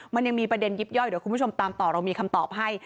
มันยังมีประเด็นยิบย่อยเดี๋ยวคุณผู้ชมตามต่อเรามีคำตอบให้